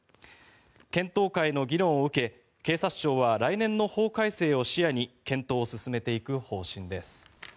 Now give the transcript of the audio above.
検討会の議論を受け警察庁は来年の法改正を視野に検討を進めていく方針です。